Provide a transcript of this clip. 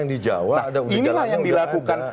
nah inilah yang dilakukan